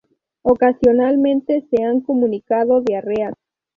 Ocasionalmente se han comunicado diarreas.